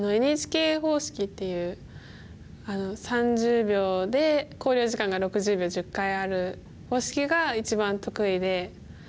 ＮＨＫ方式っていう３０秒で考慮時間が６０秒１０回ある方式が一番得意で。